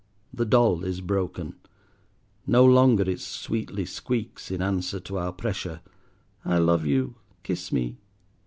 The doll is broken: no longer it sweetly squeaks in answer to our pressure, "I love you, kiss me."